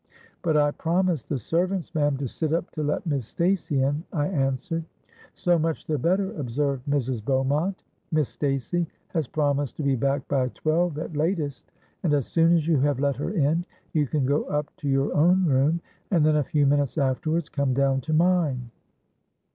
'—'But I promised the servants, ma'am, to sit up to let Miss Stacey in,' I answered.—'So much the better,' observed Mrs. Beaumont. 'Miss Stacey has promised to be back by twelve at latest; and as soon as you have let her in, you can go up to your own room, and then a few minutes afterwards come down to mine.'